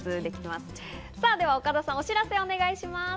では岡田さん、お知らせをお願いします。